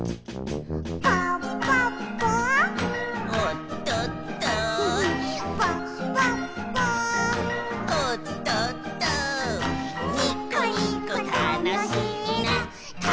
「ぽっぽっぽっ」「おっとっと」「ぽっぽっぽっ」「おっとっと」「にこにこたのしいなたのしいな」